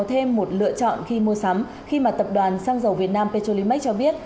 thêm một lựa chọn khi mua sắm khi mà tập đoàn xăng dầu việt nam petrolimax cho biết